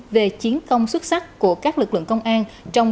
về chiến công xuất sắc của các lực lượng công an